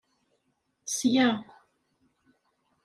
Sya.